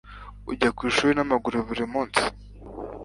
Ujya ku ishuri n'amaguru buri munsi?